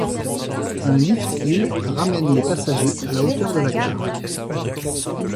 Un lift hill ramène les passagers à la hauteur de la gare.